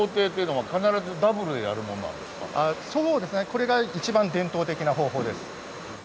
これが一番伝統的な方法です。